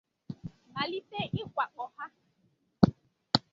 malite ịwakpò ha